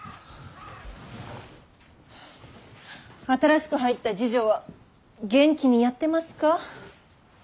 新しく入った侍女は元気にやってますか。